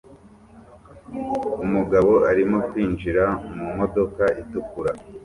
Umugabo arimo kwinjira mu modoka itukura